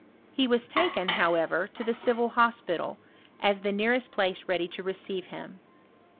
He was taken, how over, to the Civil Hospital, as the nearest place ready to rocoivo him.